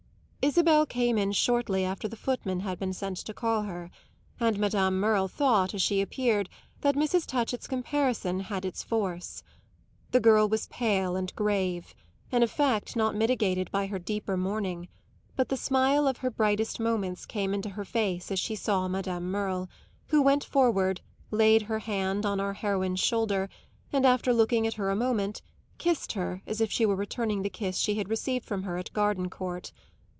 Isabel came in shortly after the footman had been sent to call her; and Madame Merle thought, as she appeared, that Mrs. Touchett's comparison had its force. The girl was pale and grave an effect not mitigated by her deeper mourning; but the smile of her brightest moments came into her face as she saw Madame Merle, who went forward, laid her hand on our heroine's shoulder and, after looking at her a moment, kissed her as if she were returning the kiss she had received from her at Gardencourt.